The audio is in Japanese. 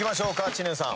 知念さん